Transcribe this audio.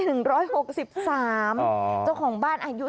เจ้าของบ้านอายุ